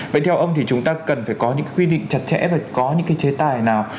vậy theo ông thì chúng ta cần phải có những quy định chặt chẽ và có những cái chế tài nào